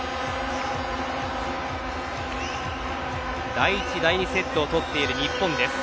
第１、第２セットを取っている日本です。